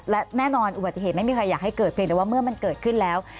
และแน่นอนอุบัติเหตุไม่มีใครอยากให้เกิดเพียงแต่ว่าเมื่อมันเกิดขึ้นแล้ว